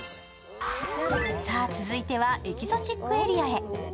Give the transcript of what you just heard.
さあ、続いてはエキゾチックエリアへ。